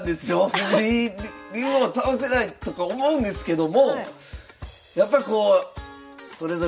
藤井竜王倒せないとか思うんですけどもやっぱりこうそれぞれ皆さんの活躍